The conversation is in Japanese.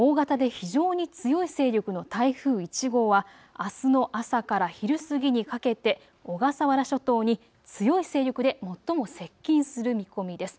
大型で非常に強い勢力の台風１号はあすの朝から昼過ぎにかけて小笠原諸島に強い勢力で最も接近する見込みです。